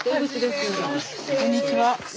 こんにちは。